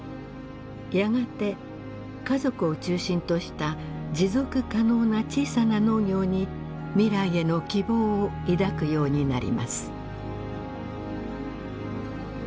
やがて家族を中心とした持続可能な小さな農業に未来への希望を抱くようになります。